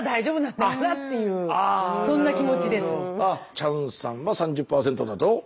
チャンさんは３０％だと？